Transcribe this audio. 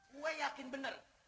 gue yakin benar